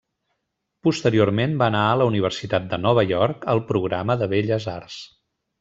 Posteriorment va anar a la universitat de Nova York al programa de Belles arts.